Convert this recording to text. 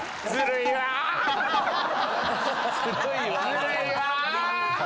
ずるいわぁ。